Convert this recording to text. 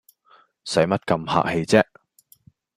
使乜咁客氣唧